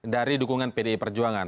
dari dukungan pdi perjuangan